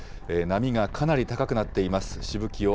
波がかなり高くなっています。